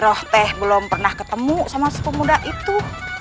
aku belum pernah bertemu dengan perempuan itu